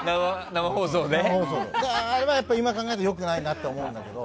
やっぱり今考えたらよくないなと思うんだけど。